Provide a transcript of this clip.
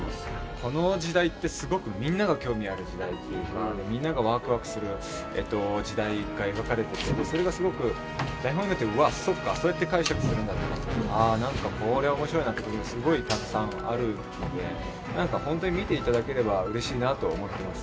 この時代ってすごくみんなが興味ある時代っていうかみんながワクワクする時代が描かれててそれがすごく台本読んでてうわっそっかそうやって解釈するんだとかこれは面白いなって思うところがすごいたくさんあるので本当に見て頂ければうれしいなと思ってます。